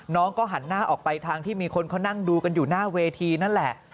น้องก็หันหน้าออกไปทางที่มีคนเขานั่งดูกันอยู่หน้าเวทีนั่นแหละ